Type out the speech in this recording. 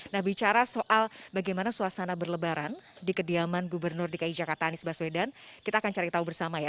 nah bicara soal bagaimana suasana berlebaran di kediaman gubernur dki jakarta anies baswedan kita akan cari tahu bersama ya